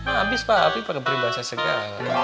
habis pak api pakai peribahasa segala